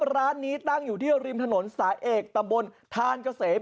ร้านนี้ตั้งอยู่ที่ริมถนนสายเอกตำบลทานเกษม